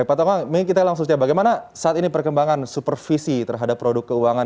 pak tongam minggir kita langsung saja bagaimana saat ini perkembangan supervisi terhadap produk keuangan